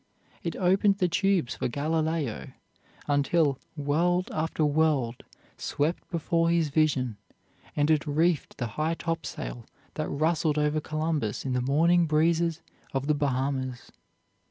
It opened the tubes for Galileo, until world after world swept before his vision, and it reefed the high topsail that rustled over Columbus in the morning breezes of the Bahamas.